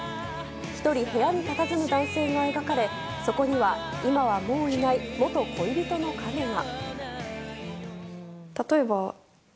１人部屋にたたずむ男性が描かれそこには今はもういない元恋人の影が。